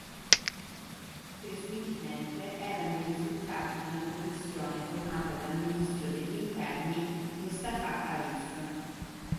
Presumibilmente erano i risultati di una commissione formata dal ministro degli interni Mustafa Arif.